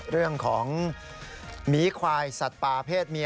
เรื่องของหมีควายสัตว์ป่าเพศเมีย